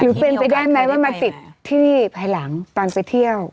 หรือเป็นไปได้ไหมว่ามาติดที่นี่ภายหลังตอนไปเที่ยว